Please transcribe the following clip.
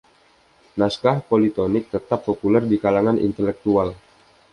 Naskah polytonic tetap populer di kalangan intelektual.